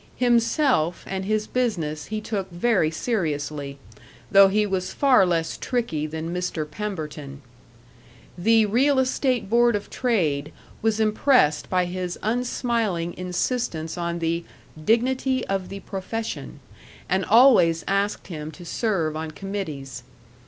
Himself and his business he took very seriously, though he was far less tricky than Mr. Pemberton. The Real Estate Board of Trade was impressed by his unsmiling insistence on the Dignity of the Profession, and always asked him to serve on committees.